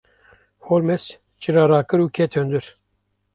Holmes çira rakir û ket hundir.